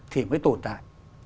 thì mới tồn tại